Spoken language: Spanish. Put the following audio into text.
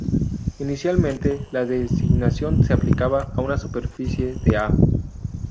Inicialmente, la designación se aplicaba a una superficie de ha.